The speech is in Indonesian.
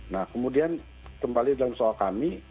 nah kemudian kembali dalam soal kami